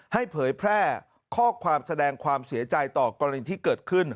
เผยแพร่ข้อความแสดงความเสียใจต่อกรณีที่เกิดขึ้น